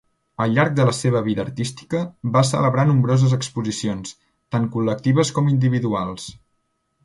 Al llarg de la seva vida artística, va celebrar nombroses exposicions, tant col·lectives com individuals.